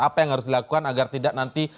apa yang harus dilakukan agar tidak nanti